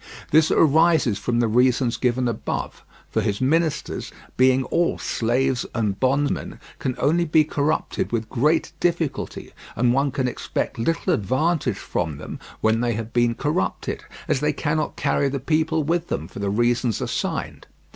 This arises from the reasons given above; for his ministers, being all slaves and bondmen, can only be corrupted with great difficulty, and one can expect little advantage from them when they have been corrupted, as they cannot carry the people with them, for the reasons assigned.